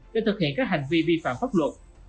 để thực hiện các hành vi vi phạm pháp luật